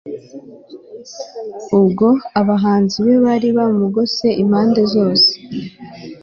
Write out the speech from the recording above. ubwo abanzi be bari bamugose impande zose